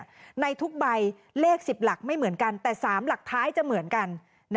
ในทุกใบเลข๑๐หลักไม่เหมือนกันแต่๓หลักท้ายจะเหมือนกัน